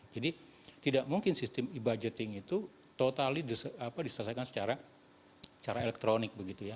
jadi tidak mungkin sistem e budgeting itu total diselesaikan secara elektronik begitu ya